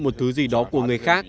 một thứ gì đó của người khác